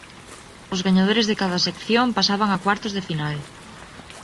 Os gañadores de cada sección pasaban a cuartos de final.